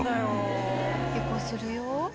結構するよ。